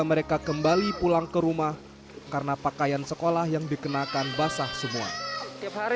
mereka kembali pulang ke rumah karena pakaian sekolah yang dikenakan basah semua tiap hari